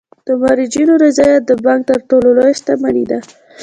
د مراجعینو رضایت د بانک تر ټولو لویه شتمني ده.